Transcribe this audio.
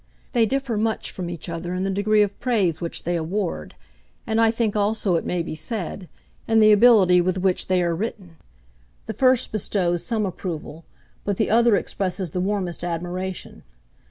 They differ much from each other in the degree of praise which they award, and I think also it may be said, in the ability with which they are written. The first bestows some approval, but the other expresses the warmest admiration.